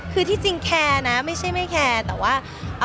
คือที่จริงแคร์นะไม่ใช่ไม่แคร์แต่ว่า